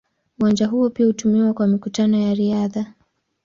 Uwanja huo pia hutumiwa kwa mikutano ya riadha.